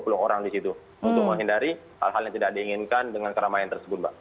untuk menghindari hal hal yang tidak diinginkan dengan keramaian tersebut mbak